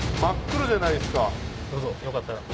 どうぞよかったら。